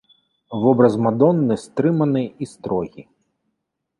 Вобраз мадонны стрыманы і строгі.